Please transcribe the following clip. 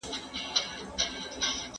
دا ستونزه په ډېرې اسانۍ سره هوارېدلی شي.